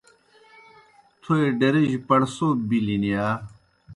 تھوئے ڈیرِجیْ پڑسوب بِلِن یا؟